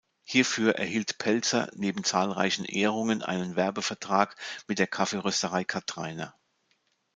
Hierfür erhielt Peltzer neben zahlreichen Ehrungen einen Werbevertrag mit der Kaffeerösterei Kathreiner.